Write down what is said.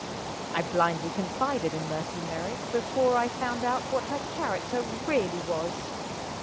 I blindly confided in Mercy Merrick before I found out what her character really was.